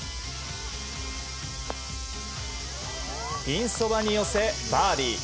ピンそばに寄せバーディー。